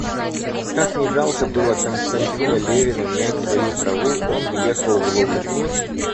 Как ни жалко было Константину Левину мять свою траву, он въехал в луг.